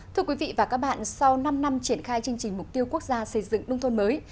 thưa quý vị và các bạn sau năm năm triển khai chương trình mục tiêu quốc gia xây dựng nông thôn mới